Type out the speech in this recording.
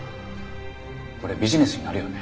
これビジネスになるよね？